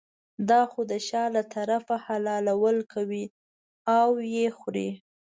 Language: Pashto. دا خو د شا له طرفه حلالول کوي او یې خوري.